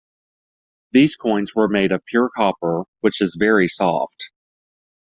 These coins were made of pure copper, which is very soft.